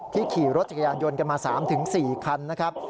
ขี่รถจักรยานยนต์กันมา๓๔คันนะครับ